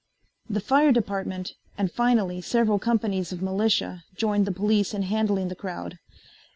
The fire department and finally several companies of militia joined the police in handling the crowd.